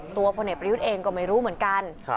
พลเอกประยุทธ์เองก็ไม่รู้เหมือนกัน